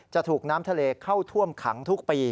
ถูกน้ำทะเลเข้าท่วมขังทุกปี